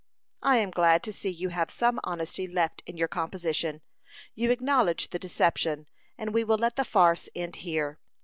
"I am glad to see you have some honesty left in your composition. You acknowledge the deception, and we will let the farce end here.